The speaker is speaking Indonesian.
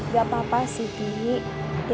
gak apa apa sih di